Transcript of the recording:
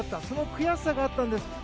その悔しさがあったんです。